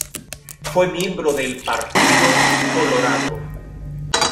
Fue miembro del Partido Colorado.